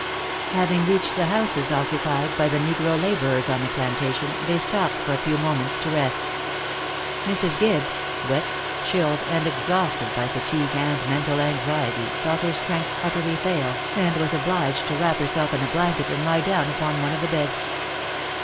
Having reached the houses occupied by the negro laborers on the plantation, they stopped for a few moments to rest. Mrs. Gibbes, wet, chilled, and exhausted by fatigue and mental anxiety, felt her strength utterly fail, and was obliged to wrap herself in a blanket and lie down upon one of the beds.